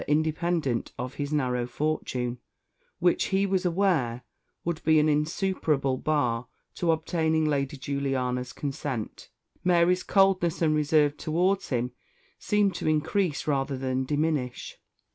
Independent of his narrow fortune, which, he was aware, would be an insuperable bar to obtaining Lady Juliana's consent, Mary's coldness and reserve towards him seemed to increase rather than diminish.